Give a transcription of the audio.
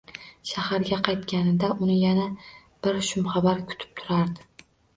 Shaharga qaytganida, uni yana bir shumxabar kutib turardi